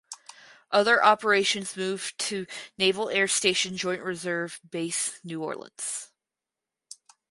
Other operations moved to Naval Air Station Joint Reserve Base New Orleans.